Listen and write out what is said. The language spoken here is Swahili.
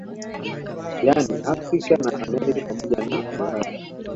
Yani Afrika na Amerika pamoja na Ulaya